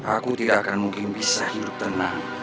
aku tidak akan mungkin bisa hidup tenang